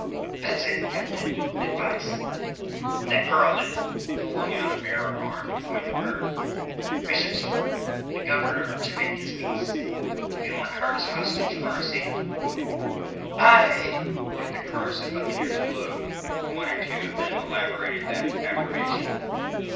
"That's it, Captain; advice. That girl, there." He flung out a bare arm to point to her. "Bishop's girl; the Governor of Jamaica's niece.... We want her as a hostage for our safety." "Aye!" roared in chorus the buccaneers below, and one or two of them elaborated that affirmation.